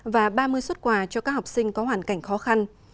và ba mươi xuất quà cho các học sinh có hoàn cảnh khó khăn